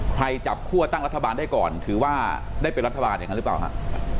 จับคั่วตั้งรัฐบาลได้ก่อนถือว่าได้เป็นรัฐบาลอย่างนั้นหรือเปล่าครับ